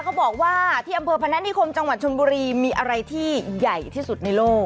เขาบอกว่าที่อำเภอพนานิคมจังหวัดชนบุรีมีอะไรที่ใหญ่ที่สุดในโลก